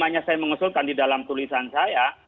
makanya saya mengusulkan di dalam tulisan saya